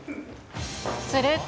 すると。